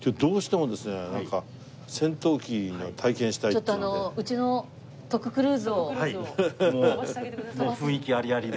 もう雰囲気ありありで。